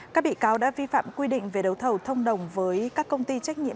các bị cáo đã vi phạm quy định về đấu thầu thông đồng với các công ty trách nhiệm